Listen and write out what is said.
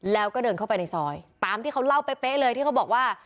แล้วก็เดินเข้าไปในซอยตามที่เขาเล่าเป๊ะเลยที่เขาบอกว่า